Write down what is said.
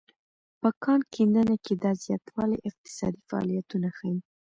په کان کیندنه کې دا زیاتوالی اقتصادي فعالیتونه ښيي.